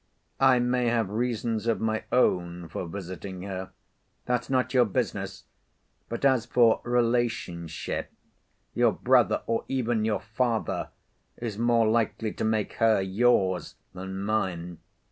"I may have reasons of my own for visiting her. That's not your business. But as for relationship, your brother, or even your father, is more likely to make her yours than mine.